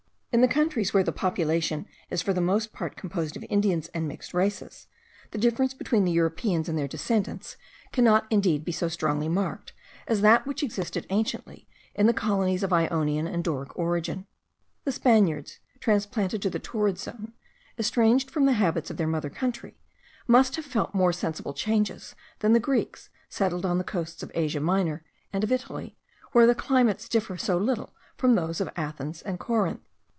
In the countries where the population is for the most part composed of Indians and mixed races, the difference between the Europeans and their descendants cannot indeed be so strongly marked, as that which existed anciently in the colonies of Ionian and Doric origin. The Spaniards transplanted to the torrid zone, estranged from the habits of their mother country, must have felt more sensible changes than the Greeks settled on the coasts of Asia Minor, and of Italy, where the climates differ so little from those of Athens and Corinth.